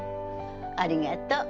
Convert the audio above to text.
ありがとう。